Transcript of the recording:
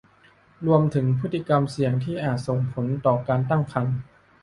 รวมถึงพฤติกรรมเสี่ยงที่อาจส่งผลต่อการตั้งครรภ์